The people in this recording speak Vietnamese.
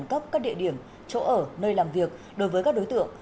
cấp các địa điểm chỗ ở nơi làm việc đối với các đối tượng